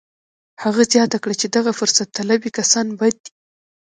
هغه زیاته کړه چې دغه فرصت طلبي کسان بد دي